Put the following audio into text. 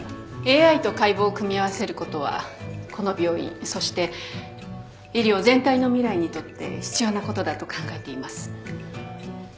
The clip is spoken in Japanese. Ａｉと解剖を組み合わせることはこの病院そして医療全体の未来にとって必要なことだと考えています。